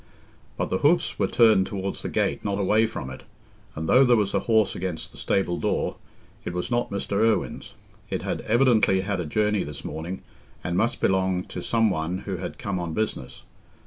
But the hoofs were turned towards the gate, not away from it, and though there was a horse against the stable door, it was not Mr. Irwine's: it had evidently had a journey this morning, and must belong to some one who had come on business.